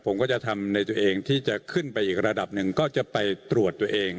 ผมก็จะทำในตัวเองที่จะขึ้นไปอีกระดับหนึ่งก็จะไปตรวจตัวเอง